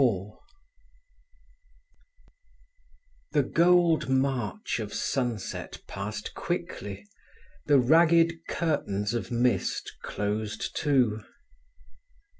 IV The gold march of sunset passed quickly, the ragged curtains of mist closed to.